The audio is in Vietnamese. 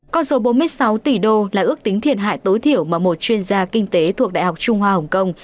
con số bốn mươi sáu tỷ đô là ước tính thiệt hại tối thiểu mà một chuyên gia kinh tế thuộc đại học trung hoa hồng kông